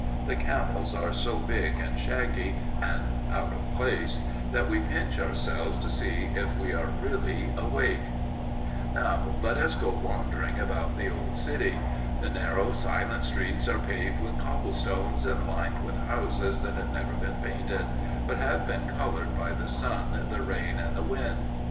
The camels are so big and shaggy and out of place that we pinch ourselves to see if we are really awake. [Illustration: View of Constantinople from the Galata side] Now let us go wandering about the old city. The narrow, silent streets are paved with cobblestones, and lined with houses that have never been painted, but have been colored by the sun, the rain, and the wind.